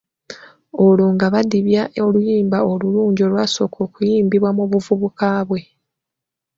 Oolwo nga badibya oluyimba olulungi olwasooka okuyimbibwa mu buvubuka bwe.